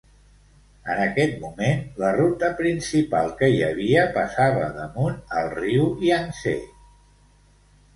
En aquest moment, la ruta principal que hi havia passava damunt el riu Iang-Tsé.